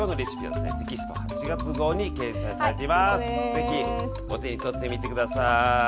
是非お手に取って見て下さい！